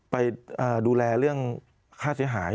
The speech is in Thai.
ไปดูแลเรื่องค่าเสียหาย